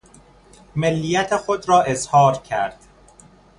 ملیت خود را اظهار کرد.